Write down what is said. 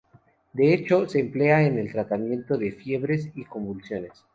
De hecho, se emplea en el tratamiento de fiebres y convulsiones.